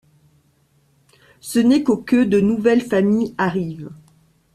Ce n'est qu'au que de nouvelles familles arrivent.